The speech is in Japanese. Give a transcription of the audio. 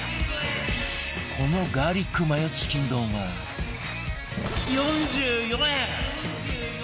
このガーリックマヨチキン丼は４４円！